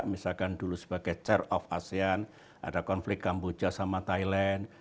misalkan dulu sebagai chair of asean ada konflik kamboja sama thailand